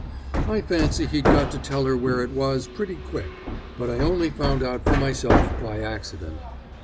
I fancy he'd got to tell her where it was, pretty quick; but I only found out for myself by accident.